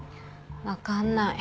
分かんない。